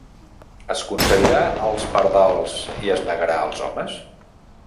Es concedirà als pardals i es negarà als homes?